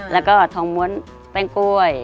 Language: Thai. แล้วก็ทองม้วนแป้งกล้วย